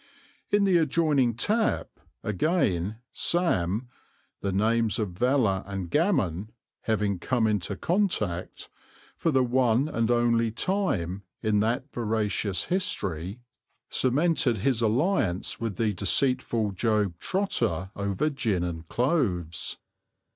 In the adjoining tap, again, Sam, "the names of Veller and gammon" having "come into contract" for the one and only time in that veracious history, cemented his alliance with the deceitful Job Trotter over gin and cloves.